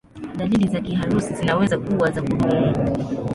Dalili za kiharusi zinaweza kuwa za kudumu.